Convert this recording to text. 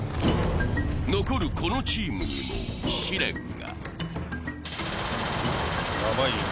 残るこのチームにも試練が。